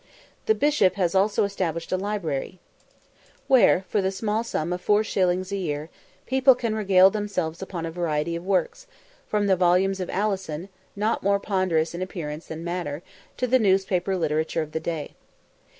The Bishop has also established a library, where, for the small sum of four shillings a year, people can regale themselves upon a variety of works, from the volumes of Alison, not more ponderous in appearance than matter, to the newspaper literature of the day.